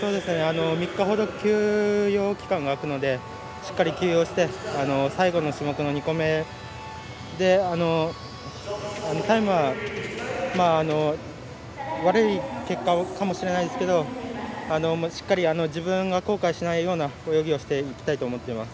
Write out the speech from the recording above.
３日ほど休養期間があるのでしっかり休養して最後の種目の２個メでタイムは悪い結果かもしれませんけどしっかり自分が後悔しないような泳ぎをしたいと思っています。